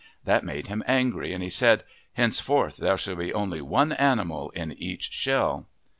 That made him angry and he said, " Henceforth there shall be only one animal in each shell."